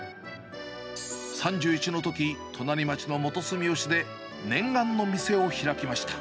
３１のとき、隣町の元住吉で念願の店を開きました。